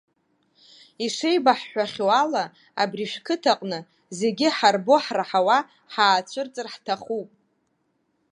Ишеибаҳҳәахьоу ала, абри шәқыҭаҟны, зегьы ҳарбо-ҳраҳауа ҳаацәырҵыр ҳҭахуп.